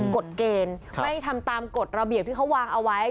กฎเกณฑ์ไม่ทำตามกฎระเบียบที่เขาวางเอาไว้